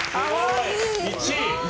１位！